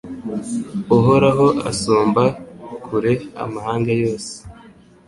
Uhoraho asumba kure amahanga yose